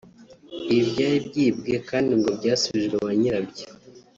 Ibi byari byibwe kandi ngo byasubijwe ba nyirabyo